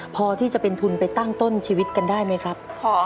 พอที่จะเป็นทุนไปตั้งต้นชีวิตกันได้ไหมครับ